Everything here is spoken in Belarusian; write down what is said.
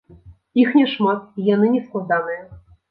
Іх няшмат, і яны нескладаныя.